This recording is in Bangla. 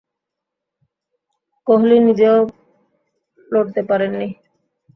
কোহলি নিজেও লড়তে পারেননি।